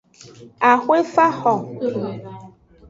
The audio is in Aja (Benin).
Ahoefa xo.